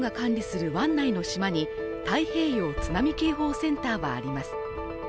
ハワイ・真珠湾アメリカ軍が管理する湾内の島に太平洋津波警報センターはあります。